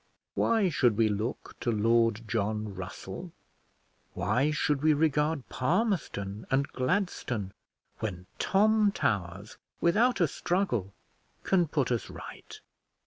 Why should we look to Lord John Russell; why should we regard Palmerston and Gladstone, when Tom Towers without a struggle can put us right?